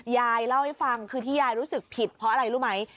ยายเล่าให้ฟังคือที่ยายรู้สึกผิดเพราะอะไรรู้ไหม